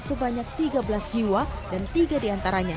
sebanyak tiga belas jiwa dan tiga diantaranya